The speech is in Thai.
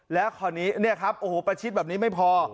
แล้วคราวนี้เนี่ยครับโอ้โหประชิดแบบนี้ไม่พอ